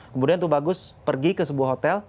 kemudian tubagus pergi ke sebuah hotel